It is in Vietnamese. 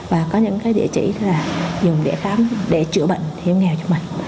và có những cái địa chỉ dùng để chữa bệnh hiếm nghèo cho mình